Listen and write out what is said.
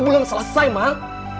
belum selesai mak